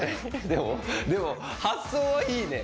でもでも発想はいいね